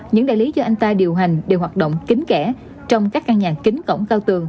những đại lý do anh ta điều hành đều hoạt động kính kẽ trong các căn nhà kính cổng cao tường